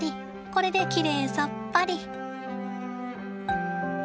これできれいさっぱり。